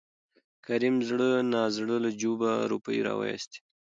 کريم زړه نازړه له جوبه روپۍ راوېستې.